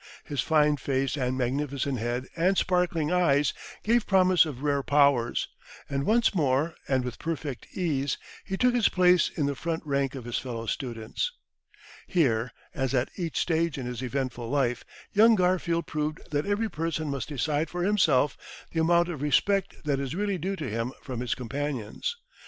His fine face and magnificent head and sparkling eyes gave promise of rare powers, and once more, and with perfect ease, he took his place in the front rank of his fellow students. Here, as at each stage in his eventful life, young Garfield proved that every person must decide for himself the amount of respect that is really due to him from his companions.